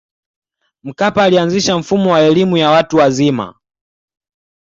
mkapa alianzisha mfumo wa elimu ya watu wazima